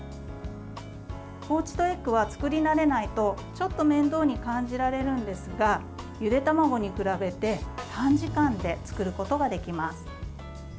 ポーチドエッグは作り慣れないとちょっと面倒に感じられるんですがゆで卵に比べて短時間で作ることができます。